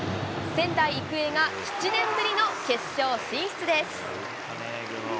仙台育英が７年ぶりの決勝進出です。